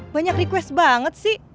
banyak request banget sih